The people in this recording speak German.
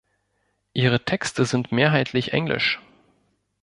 Ihre Texte sind mehrheitlich englisch.